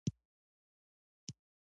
او د جګړو د پیل نه